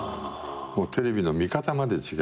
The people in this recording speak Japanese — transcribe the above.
テレビの見方まで違う。